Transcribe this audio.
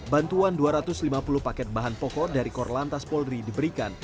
bantuan dua ratus lima puluh paket bahan pokok dari korlantas polri diberikan